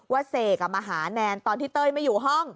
เสกมาหาแนนตอนที่เต้ยไม่อยู่ห้อง